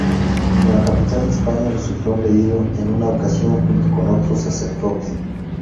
En la capital de España resultó agredido en una ocasión junto con otro sacerdote.